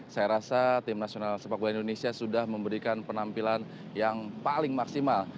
saya rasa tim nasional sepak bola indonesia sudah memberikan penampilan yang paling maksimal